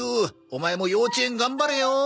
オマエも幼稚園頑張れよ！